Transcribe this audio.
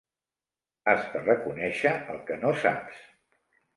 Has de reconèixer el que no saps